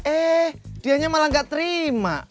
eh dianya malah gak terima